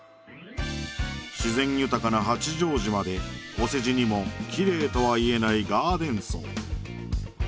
自然豊かな八丈島でお世辞にもキレイとは言えないガーデン荘